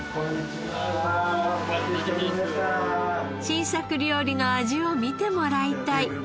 新作料理の味をみてもらいたい。